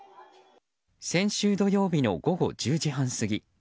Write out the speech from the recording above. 先週土曜日の午後１０時半過ぎ